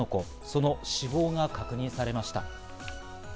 その死亡が確認されました。